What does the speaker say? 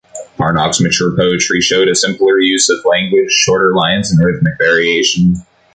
Parnok's mature poetry showed a simpler use of language, shorter lines and rhythmic variation.